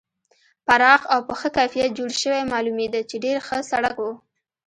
پراخ او په ښه کیفیت جوړ شوی معلومېده چې ډېر ښه سړک و.